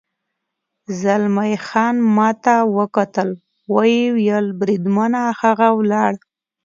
زلمی خان ما ته وکتل، ویې ویل: بریدمنه، هغه ولاړ.